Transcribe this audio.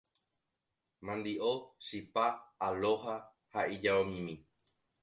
Mandi'o, chipa, aloha ha ijaomimi.